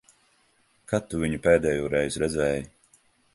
Kad tu viņu pēdējoreiz redzēji?